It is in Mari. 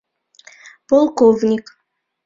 Полковник.